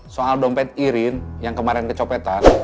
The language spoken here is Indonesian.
soal dompet irin yang kemarin kecopetan